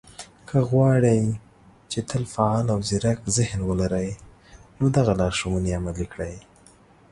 که غواړئ، چې تل فعال او ځيرک ذهن ولرئ، نو دغه لارښوونې عملي کړئ